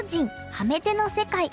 ハメ手の世界」。